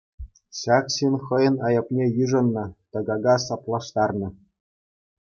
Ҫак ҫын хӑйӗн айӑпне йышӑннӑ, тӑкака саплаштарнӑ.